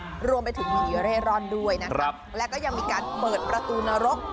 รวมไปถึงผีเร่ร่อนด้วยนะครับแล้วก็ยังมีการเปิดประตูนรก